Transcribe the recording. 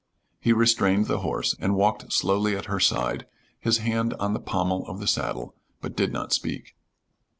He restrained the horse, and walked slowly at her side, his hand on the pommel of the saddle, but did not speak.